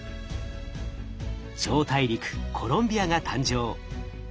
超大陸コロンビアが誕生。